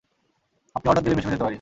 আপনি অর্ডার দিলে মিশনে যেতে পারি।